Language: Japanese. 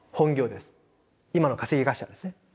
今の稼ぎ頭ですね。